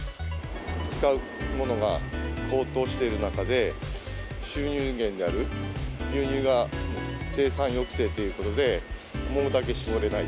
使うものが高騰している中で、収入源である牛乳が生産抑制ということで、思うだけ搾れない。